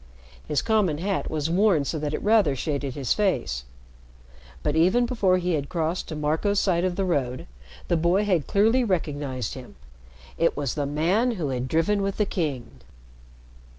His common hat was worn so that it rather shaded his face. But even before he had crossed to Marco's side of the road, the boy had clearly recognized him. It was the man who had driven with the King!